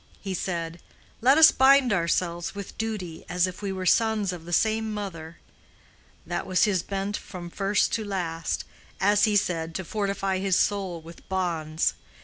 He said, 'Let us bind ourselves with duty, as if we were sons of the same mother.' That was his bent from first to last—as he said, to fortify his soul with bonds.